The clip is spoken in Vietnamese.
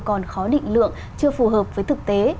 còn khó định lượng chưa phù hợp với thực tế